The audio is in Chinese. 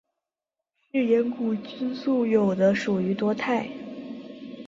嗜盐古菌素有的属于多肽。